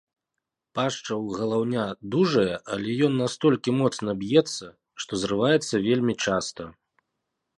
Пашча ў галаўня дужая, але ён настолькі моцна б'ецца, што зрываецца вельмі часта.